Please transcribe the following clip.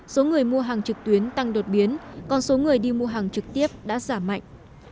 số người mua hàng trực tuyến tăng đột biến còn số người đi mua hàng trực tiếp đã giảm mạnh